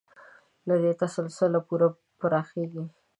له دې تسلسله پوهه پراخېږي.